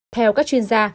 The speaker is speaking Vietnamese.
theo các chuyên gia